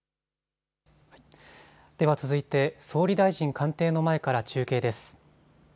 では続いて総理大臣官邸の前から中継です。